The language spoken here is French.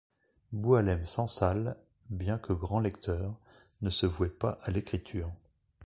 Boualem Sansal, bien que grand lecteur, ne se vouait pas à l'écriture.